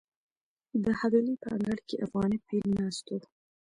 د حویلۍ په انګړ کې افغاني پیر ناست و.